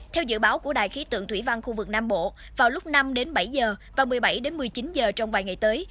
theo dự báo của đài khí tượng thủy văn khu vực nam bộ vào lúc năm đến bảy giờ và một mươi bảy một mươi chín giờ trong vài ngày tới